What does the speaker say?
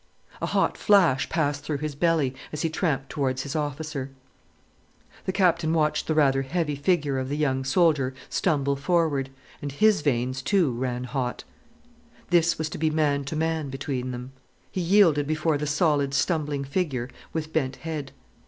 A hot flash passed through his belly, as he tramped towards his officer. The Captain watched the rather heavy figure of the young soldier stumble forward, and his veins, too, ran hot. This was to be man to man between them. He yielded before the solid, stumbling figure with bent head.